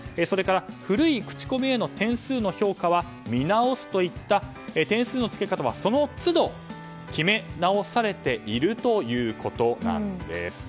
それから古い口コミへの点数への評価は見直すといった点数の付け方はその都度、決め直されているということなんです。